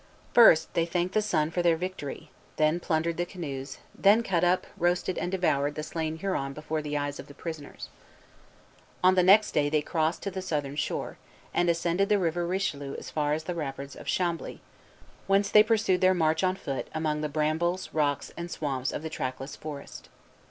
First they thanked the Sun for their victory; then plundered the canoes; then cut up, roasted, and devoured the slain Huron before the eyes of the prisoners. On the next day they crossed to the southern shore, and ascended the River Richelieu as far as the rapids of Chambly, whence they pursued their march on foot among the brambles, rocks, and swamps of the trackless forest.